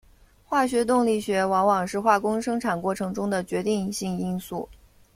化学动力学往往是化工生产过程中的决定性因素。